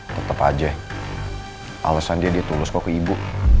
tetep aja alasan dia dia tulus kok ke ibu